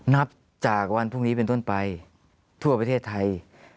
นับจากวันพรุ่งนี้เป็นต้นไปทั่วประเทศไทย